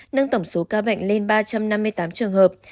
nâng tổng số ca bệnh lên ba trăm năm mươi tám trường hợp